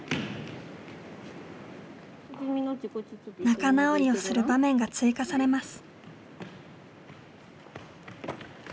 仲直りをする場面が追加されます。